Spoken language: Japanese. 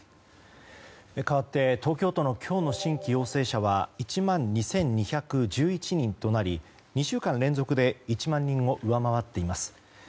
かわって、東京都の今日の新規陽性者は１万２２１１人となり２週間連続で１万人を上回っています。